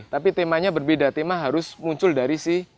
tapi temanya berbeda tema harus muncul dari si